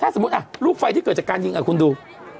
ถ้าสมมติอ่ะลูกไฟที่เกิดจากการยิงอ่ะคุณดู